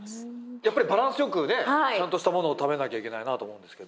やっぱりバランスよくねちゃんとしたものを食べなきゃいけないなと思うんですけど。